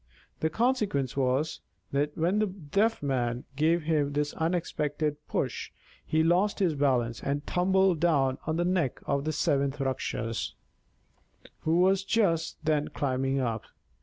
The consequence was, that when the Deaf Man gave him this unexpected push, he lost his balance and tumbled down on to the neck of the seventh Rakshas, who was just then climbing up.